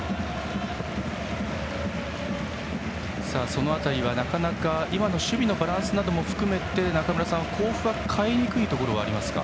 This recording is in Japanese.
その辺りは、なかなか今の守備のバランスなども含めて中村さん、甲府は代えにくいところはありますか？